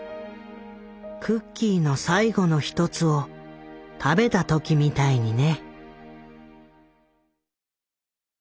「クッキーの最後の１つを食べた時みたいにね」。